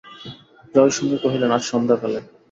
জয়সিংহ কহিলেন, আজ সন্ধ্যাকালে।